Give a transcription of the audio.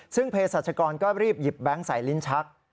ซึ่งเพศรัชกรก็รีบหยิบแบงค์ใส่ลิ้นชัก